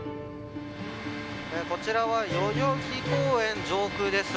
こちらは代々木公園上空です。